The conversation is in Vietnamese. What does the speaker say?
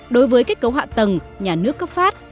đối với kết cấu hạ tầng nhà nước cấp phát